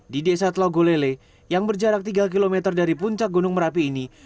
di desa telogolele yang berjarak tiga km dari puncak gunung merapi ini